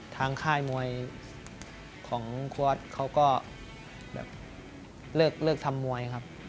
ทางค่ายมวยของควอร์ดเขาก็เลิกทำมวยครับ